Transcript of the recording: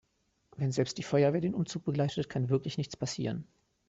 Wenn selbst die Feuerwehr den Umzug begleitet, kann wirklich nichts passieren.